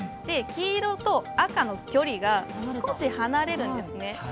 黄色と赤の距離が少し離れるんですね。